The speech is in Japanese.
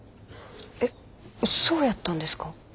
えっそうやったんですか？